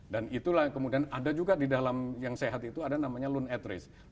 dan kemudian ada juga di dalam yang sehat itu ada namanya loan interest